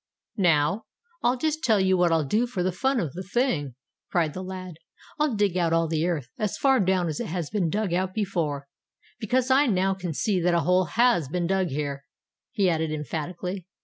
"Now, I just tell you what I'll do for the fun of the thing," cried the lad. "I'll dig out all the earth as far down as it has been dug out before—because I can now see that a hole has been dug here," he added emphatically.